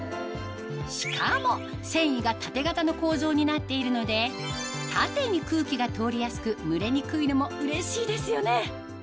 しかも繊維が縦型の構造になっているので縦に空気が通りやすくムレにくいのもうれしいですよね